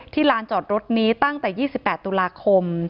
ลานจอดรถนี้ตั้งแต่๒๘ตุลาคม